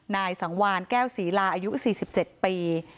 นายสังวานแก้วศรีลาอายุ๔๗ปี